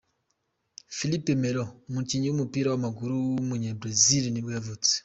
Felipe Melo, umukinnyi w’umupira w’amaguru w’umunyabrazil nibwo yavutse.